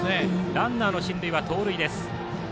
ランナーの進塁は盗塁です。